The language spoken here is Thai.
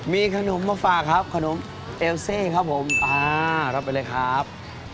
มีขนมมาฝากครับขนมเอลเซครับผมอ่ารับไปเลยครับ